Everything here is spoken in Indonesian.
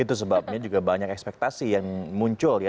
itu sebabnya juga banyak ekspektasi yang muncul ya